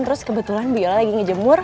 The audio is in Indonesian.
terus kebetulan bu yola lagi ngejemur